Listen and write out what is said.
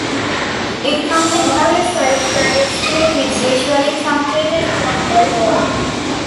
It comes in various sizes and its shape is usually truncated cone or ball.